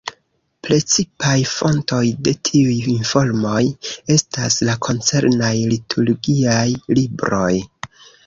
Precipaj fontoj de tiuj informoj estas la koncernaj liturgiaj libroj.